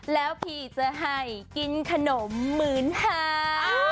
แล้วพี่จะให้กินขนมหมื่นห้า